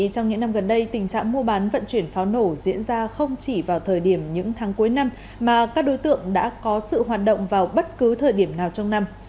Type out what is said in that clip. trong những năm gần đây tình trạng mua bán vận chuyển pháo nổ diễn ra không chỉ vào thời điểm những tháng cuối năm mà các đối tượng đã có sự hoạt động vào bất cứ thời điểm nào trong năm